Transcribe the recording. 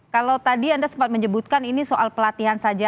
kalau tadi anda sempat menyebutkan ini soal pelatihan saja